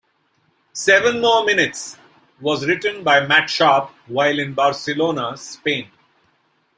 "Seven More Minutes" was written by Matt Sharp while in Barcelona, Spain.